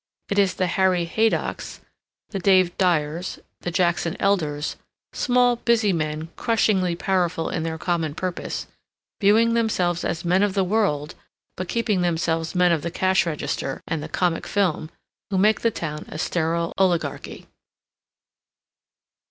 It is the Harry Haydocks, the Dave Dyers, the Jackson Elders, small busy men crushingly powerful in their common purpose, viewing themselves as men of the world but keeping themselves men of the cash register and the comic film, who make the town a sterile oligarchy.